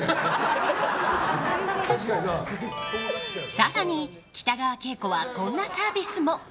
更に、北川景子はこんなサービスも。